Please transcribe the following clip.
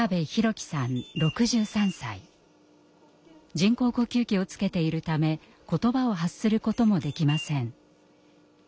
人工呼吸器をつけているため言葉を発することもできません。